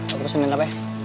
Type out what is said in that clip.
aku pesenin apa ya